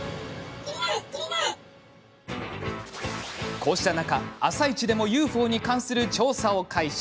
こうした中、「あさイチ」でもＵＦＯに関する調査を開始。